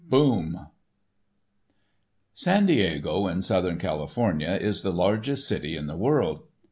*"*_*Boom*_*"* San Diego in Southern California, is the largest city in the world.